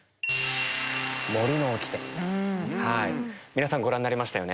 皆さんご覧になりましたよね。